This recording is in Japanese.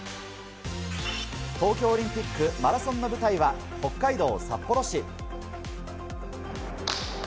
東京オリンピックマラソンの舞台は北海道札幌市。